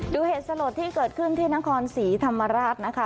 เหตุสลดที่เกิดขึ้นที่นครศรีธรรมราชนะคะ